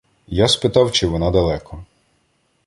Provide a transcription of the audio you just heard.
Я спитав, чи вона далеко.